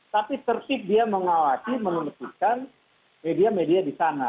tapi tersib dia mengawasi menunjukkan media media di sana